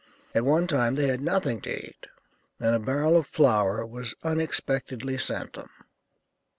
At one time they had nothing to eat, and a barrel of flour was unexpectedly sent them."